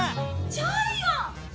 ジャイアン！